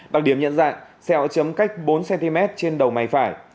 đặc điểm nhận dạng xe hỏa chấm cách bốn cm trên đầu máy phải